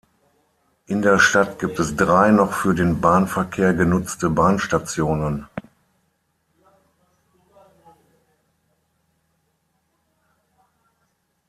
In der Stadt gibt es drei noch für den Bahnverkehr genutzte Bahnstationen.